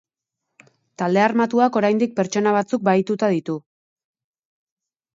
Talde armatuak oraindik pertsona batzuk bahituta ditu.